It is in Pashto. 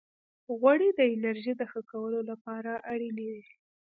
غوړې د انرژۍ د ښه کولو لپاره اړینې دي.